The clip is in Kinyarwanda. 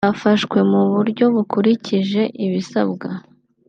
byafashwe mu buryo bukurikije ibisabwa